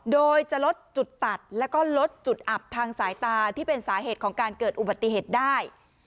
โดยจะลดจุดตัดแล้วก็ลดจุดอับทางสายตาที่เป็นสาเหตุของการเกิดอุบัติเหตุได้